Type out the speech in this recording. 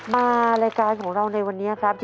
มารายการของเราในวันนี้ครับ